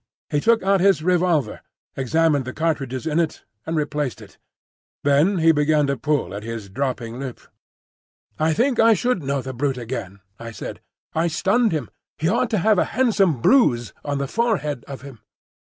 He took out his revolver, examined the cartridges in it and replaced it. Then he began to pull at his dropping lip. "I think I should know the brute again," I said. "I stunned him. He ought to have a handsome bruise on the forehead of him."